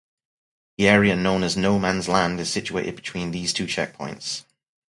The area known as "no-man's land" is situated between these two checkpoints.